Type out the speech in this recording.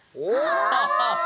ああ！